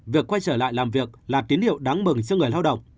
việc quay trở lại làm việc là tín hiệu đáng mừng cho người lao động